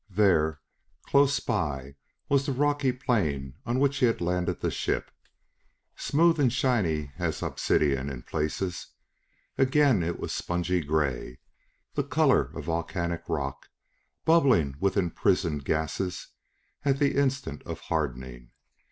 There, close by, was the rocky plain on which he had landed the ship: Smooth and shiny as obsidian in places, again it was spongy gray, the color of volcanic rock, bubbling with imprisoned gases at the instant of hardening.